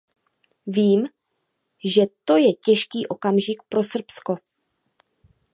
Vím, že to je těžký okamžik pro Srbsko.